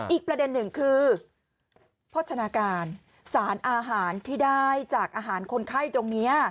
อีกประเด็นหนึ่งคือโภชนาการสารอาหารที่ได้จากอาหารคนไข้ตรงนี้